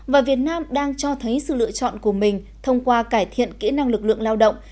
và việt nam đang cho thấy sự lựa chọn của mình thông qua cải thiện kỹ năng lực lượng lao động